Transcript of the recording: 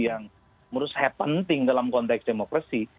yang menurut saya penting dalam konteks demokrasi